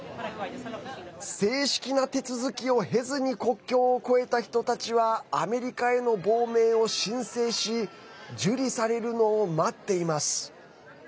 正式な手続きを経ずに国境を越えた人たちはアメリカへの亡命を申請し受理されるのを待っています。